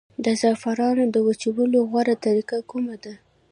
د زعفرانو د وچولو غوره طریقه کومه ده؟